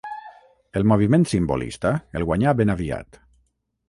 El moviment simbolista el guanyà ben aviat.